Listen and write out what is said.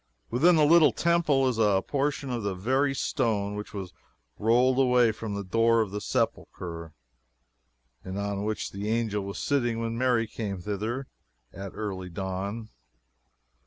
Within the little temple is a portion of the very stone which was rolled away from the door of the Sepulchre, and on which the angel was sitting when Mary came thither "at early dawn."